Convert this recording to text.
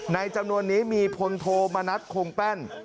จำนวนนี้มีพลโทมณัฐคงแป้น